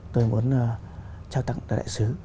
tôi muốn trao tặng đại sứ